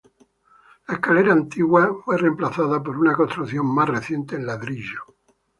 La escalera antigua fue reemplazada por una construcción más reciente en ladrillo.